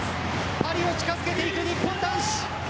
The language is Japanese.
パリを近づけていく日本男子。